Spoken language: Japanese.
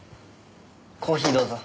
コーヒーどうぞ。